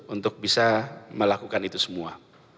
untuk bisa melakukan itu semua